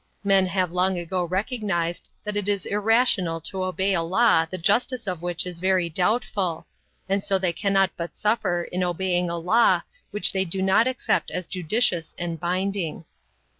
Men have long ago recognized that it is irrational to obey a law the justice of which is very doubtful, and so they cannot but suffer in obeying a law which they do not accept as judicious and binding.